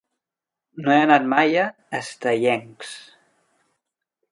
No he anat mai a Estellencs.